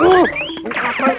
tunggu pak red pian